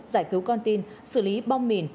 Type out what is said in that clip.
giải cứu con tin xử lý bom mìn